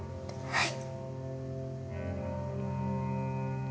はい。